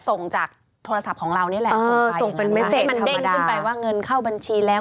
ส่งเป็นเมสเซตธรรมดาให้มันเด้งขึ้นไปว่าเงินเข้าบัญชีแล้ว